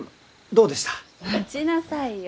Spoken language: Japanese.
待ちなさいよ！